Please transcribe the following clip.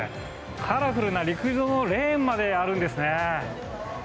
カラフルな陸上のレーンまであるんですね。